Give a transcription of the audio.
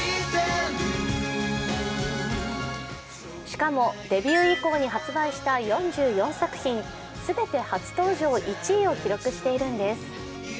しかも、デビュー以降に発売した４４作品全て初登場１位を記録しているんです。